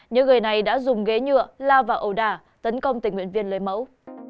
những người này đã dùng ghế nhựa lao vào ầu đà tấn công tình nguyện viên lấy mẫu